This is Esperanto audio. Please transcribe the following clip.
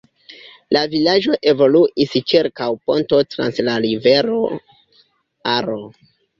La vilaĝo evoluis ĉirkaŭ ponto trans la rivero Aro.